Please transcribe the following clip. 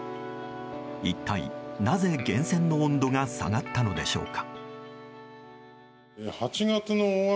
一体なぜ、源泉の温度が下がったのでしょうか。